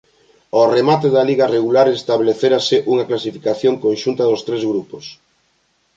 Ó remate da liga regular establecerase unha clasificación conxunta dos tres grupos.